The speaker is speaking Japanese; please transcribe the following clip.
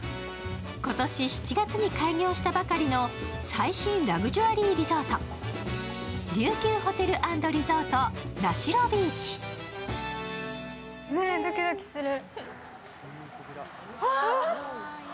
今年７月に開業したばかりの最新ラグジュアリーリゾート、琉球ホテル＆リゾート名城ビーチドキドキする。